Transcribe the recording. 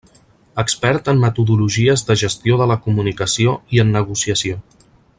Expert en metodologies de gestió de la comunicació i en negociació.